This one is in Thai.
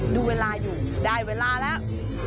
ดูเวลาอยู่ได้เวลาแล้ว